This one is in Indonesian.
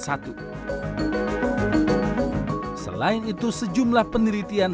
selain itu sejumlah penelitian